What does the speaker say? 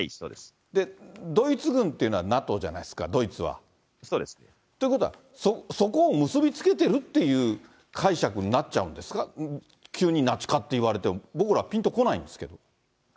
ドイツ軍っていうのはＮＡＴＯじゃないですか、ドイツは。ということは、そこを結び付けてるっていう解釈になっちゃうんですか、急にナチ化って言われて、僕らはぴんとこないんですけど。